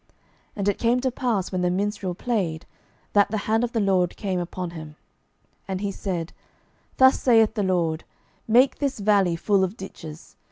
And it came to pass, when the minstrel played, that the hand of the LORD came upon him. 12:003:016 And he said, Thus saith the LORD, Make this valley full of ditches.